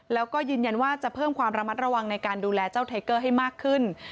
แล้วก็ยืนยันว่าจะเพิ่มความระมัดระวังในการดูแลเจ้าไทเกอร์ให้มากขึ้น